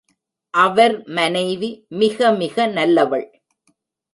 அவர் மனைவி மிக மிக நல்லவள்.